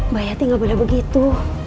bayati gak boleh begitu